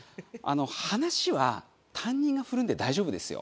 話は担任が振るんで大丈夫ですよ。